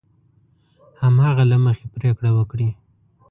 هماغه له مخې پرېکړه وکړي.